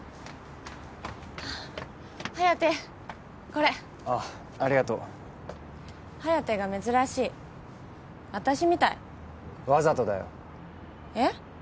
これあっありがとう颯が珍しい私みたいわざとだよえっ？